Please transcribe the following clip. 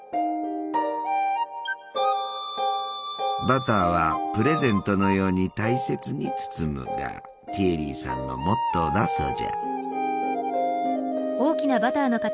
バターは「プレゼントのように大切に包む」がティエリーさんのモットーだそうじゃ。